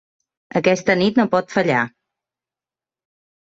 Aquesta nit no pot fallar.